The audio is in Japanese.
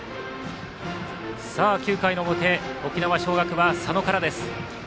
９回の表沖縄尚学は佐野からです。